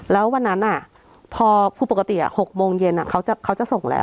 แล้ววันนั้นอ่ะพอผู้ปกติอ่ะหกโมงเย็นอ่ะเขาจะเขาจะส่งแล้ว